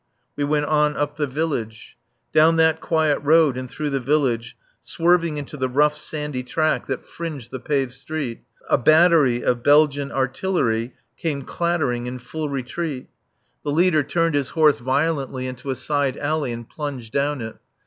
We went on up the village. Down that quiet road and through the village, swerving into the rough, sandy track that fringed the paved street, a battery of Belgian artillery came clattering in full retreat. The leader turned his horse violently into a side alley and plunged down it.